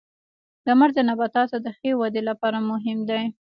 • لمر د نباتاتو د ښه ودې لپاره مهم دی.